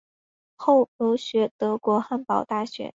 后留学德国汉堡大学。